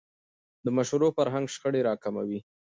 د مشورو فرهنګ شخړې راکموي